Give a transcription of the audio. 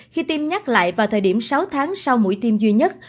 khi tiêm nhắc lại vào thời điểm sáu tháng sau mũi tiêm duy nhất